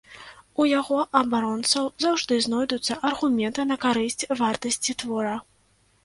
У яго абаронцаў заўжды знойдуцца аргументы на карысць вартасці твора.